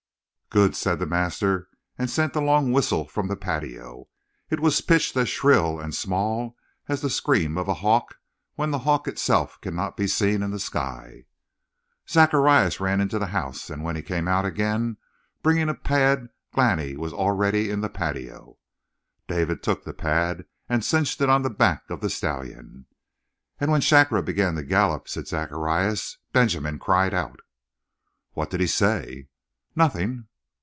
"Good!" said the master, and sent a long whistle from the patio; it was pitched as shrill and small as the scream of a hawk when the hawk itself cannot be seen in the sky. Zacharias ran into the house, and when he came out again bringing a pad Glani was already in the patio. David took the pad and cinched it on the back of the stallion. "And when Shakra began to gallop," said Zacharias, "Benjamin cried out." "What did he say?" "Nothing."